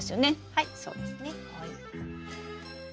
はいそうですね。